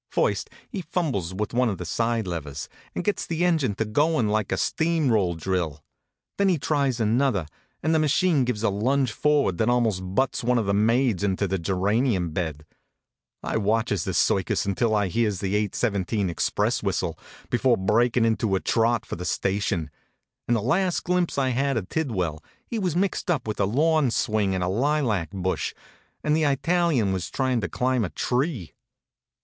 First he fumbles with one of the side levers, and gets the engine to going like a steam rock drill. Then he tries another, and the machine gives a lunge forward that almost butts one of the maids into a geranium bed. I watches the circus until I hears the eight seventeen express whistle, before breakin into a trot for the station, and the last glimpse I had of Tidwell he was mixed up with a lawn swing and a lilac bush, and the Italian was tryin to climb a tree.